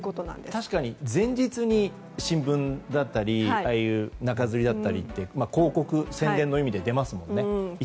確かに前日に新聞だったり中づりだったり広告が宣伝の意味で出ますもんね。